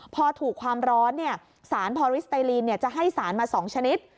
พอถูกความร้อนสารพอริสไตลีนจะให้สารมา๒ชนิด